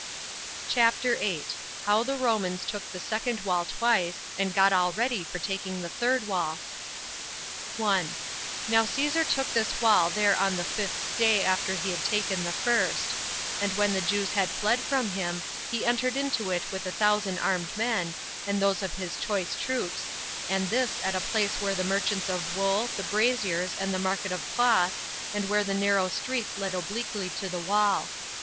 CHAPTER 8. How The Romans Took The Second Wall Twice, And Got All Ready For Taking The Third Wall. 1. Now Caesar took this wall there on the fifth day after he had taken the first; and when the Jews had fled from him, he entered into it with a thousand armed men, and those of his choice troops, and this at a place where were the merchants of wool, the braziers, and the market for cloth, and where the narrow streets led obliquely to the wall.